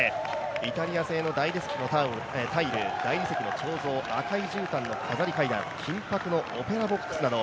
イタリア製のタイル、大理石の彫像赤いじゅうたんの飾り階段金ぱくのオペラボックスなど